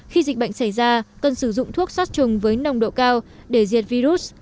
khi dịch bệnh xảy ra cần sử dụng thuốc sát trùng với nồng độ cao để diệt virus